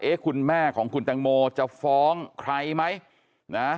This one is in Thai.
เอ๊ะคุณแม่ของคุณแตงโมจะฟ้องใครไหม